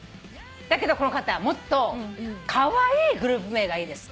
だけどこの方は「もっとカワイイグループ名がいいです」